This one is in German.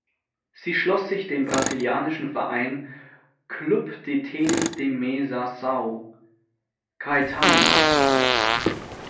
Sie schloss sich dem brasilianischen Verein „Clube de Tenis de Mesa Sao Caetano“ an.